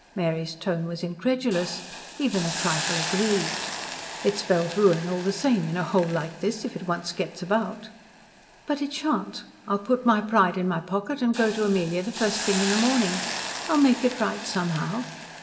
Mary's tone was incredulous, even a trifle aggrieved. "It spells ruin all the same in a hole like this, if it once gets about." "But it shan't. I'll put my pride in my pocket and go to Amelia the first thing in the morning. I'll make it right somehow.